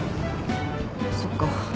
そっか。